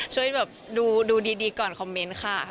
ช่วยแบบดูดีก่อนคอมเมนต์ค่ะ